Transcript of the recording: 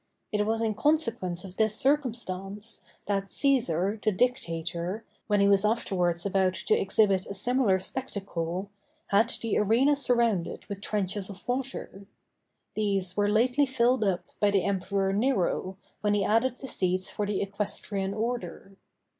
It was in consequence of this circumstance, that Cæsar, the Dictator, when he was afterwards about to exhibit a similar spectacle, had the arena surrounded with trenches of water. These were lately filled up by the Emperor Nero, when he added the seats for the equestrian order.